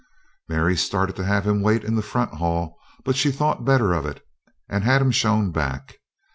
Mary started to have him wait in the front hall, but she thought better of it and had him shown back.